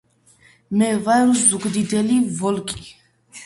მე ვარ ზუგდიდელი ვოლკი